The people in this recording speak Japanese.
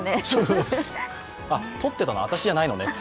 撮ってたの、私じゃないのねって。